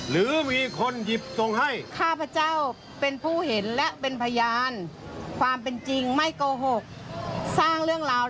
เลข๕๓๓๗๒๖มาจริง